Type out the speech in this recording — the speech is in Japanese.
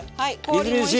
みずみずしい。